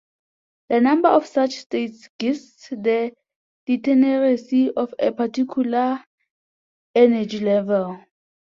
The number of such states gives the degeneracy of a particular energy level.